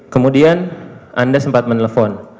kemudian anda sempat menelpon